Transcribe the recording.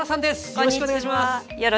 よろしくお願いします。